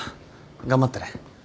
頑張ってね。